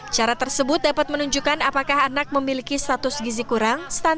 cara tersebut dapat menunjukkan apakah anak memiliki status gizi yang berat dan berdasarkan umur